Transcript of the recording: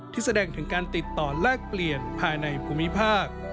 แสดงถึงการติดต่อแลกเปลี่ยนภายในภูมิภาค